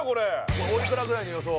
これおいくらぐらいの予想？